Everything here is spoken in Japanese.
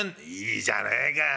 「いいじゃねえか。